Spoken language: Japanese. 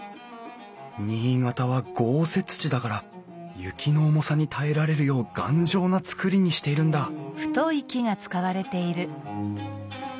新潟は豪雪地だから雪の重さに耐えられるよう頑丈な造りにしているんだおお。